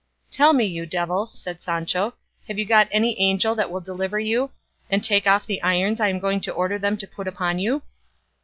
"Tell me, you devil," said Sancho, "have you got any angel that will deliver you, and take off the irons I am going to order them to put upon you?"